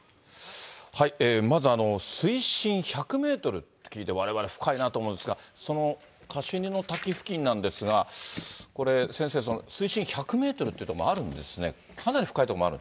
まず水深１００メートルって聞いて、われわれ、深いなと思うんですが、そのカシュニの滝付近なんですが、これ先生、水深１００メートルっていう所もあるんですね。